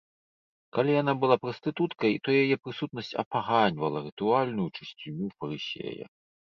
Калі яна была прастытуткай, то яе прысутнасць апаганьвала рытуальную чысціню фарысея.